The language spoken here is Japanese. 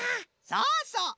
そうそう。